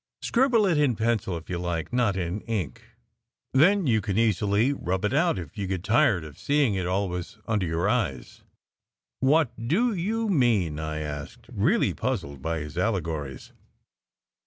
Scribble it in pencil if you like, not in ink. Then you can easily rub it out if you get tired of seeing it always under your eyes." "What do you mean?" I asked, really puzzled by his allegories.